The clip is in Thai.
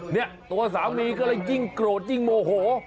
เนี่ยตัวสามีก็เลยยิ่งโกรธยิ่งโมโห